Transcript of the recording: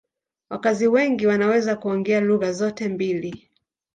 Wakazi wengi wanaweza kuongea lugha zote mbili.